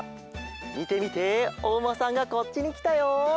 みてみておうまさんがこっちにきたよ。